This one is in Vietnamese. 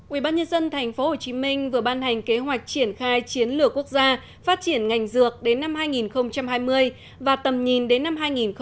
ubnd tp hcm vừa ban hành kế hoạch triển khai chiến lược quốc gia phát triển ngành dược đến năm hai nghìn hai mươi và tầm nhìn đến năm hai nghìn ba mươi